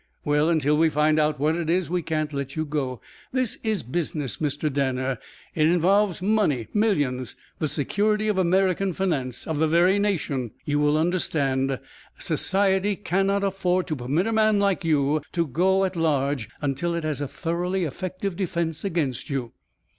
Well, until we find out what it is, we can't let you go. This is business, Mr. Danner. It involves money, millions, the security of American finance, of the very nation. You will understand. Society cannot afford to permit a man like you to go at large until it has a thoroughly effective defence against you.